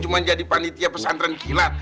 cuma jadi panitia pesantren kilat